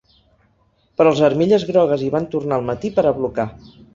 Però els armilles grogues hi van tornar al matí per a blocar.